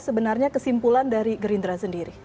sebenarnya kesimpulan dari gerindra sendiri